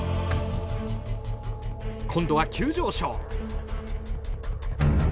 今度は急上昇！